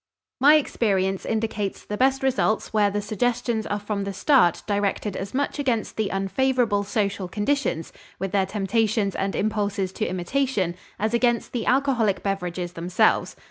My experience indicates the best results where the suggestions are from the start directed as much against the unfavorable social conditions, with their temptations and impulses to imitation, as against the alcoholic beverages themselves.